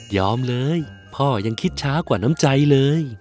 เลยพ่อยังคิดช้ากว่าน้ำใจเลย